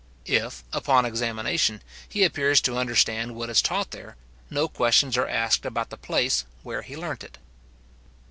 If, upon examination, he appears to understand what is taught there, no questions are asked about the place where he learnt it.